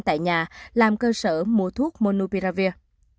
tại nhà làm cơ sở mua thuốc monopiravir